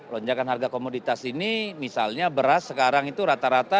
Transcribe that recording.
lonjakan harga komoditas ini misalnya beras sekarang itu rata rata